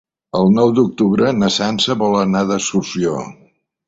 El nou d'octubre na Sança vol anar d'excursió.